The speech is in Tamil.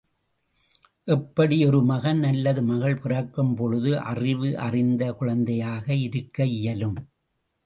எப்படி ஒரு மகன் அல்லது மகள் பிறக்கும் பொழுதே அறிவு அறிந்த குழந்தையாக இருக்க இயலும்?